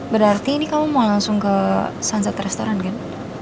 berarti ini kamu mau langsung ke sunset restoran kan